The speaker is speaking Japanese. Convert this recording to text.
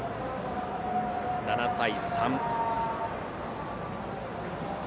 ７対３。